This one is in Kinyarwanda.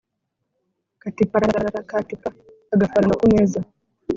Kati pararararara kati pa !-Agafaranga ku meza.